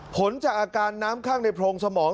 ผลจากอาการน้ำข้างในโพรงสมอง